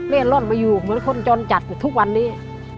ร่อนมาอยู่เหมือนคนจรจัดทุกวันนี้